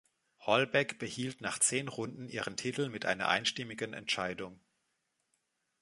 Hallback behielt nach zehn Runden ihren Titel mit einer einstimmigen Entscheidung.